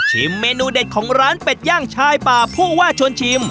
เมนูเด็ดของร้านเป็ดย่างชายป่าผู้ว่าชวนชิม